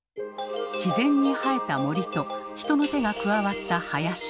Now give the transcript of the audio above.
自然に生えた「森」と人の手が加わった「林」。